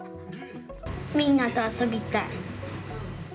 みんなと遊びたい。